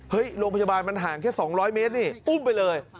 โรงพยาบาลมันห่างแค่๒๐๐เมตรนี่อุ้มไปเลย